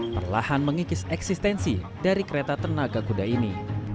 perlahan mengikis eksistensi dari kereta tenaga kuda ini